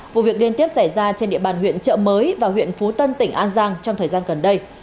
vụ việc liên tiếp xảy ra trên địa bàn huyện trợ mới và huyện phú tân tỉnh an giang trong thời gian gần đây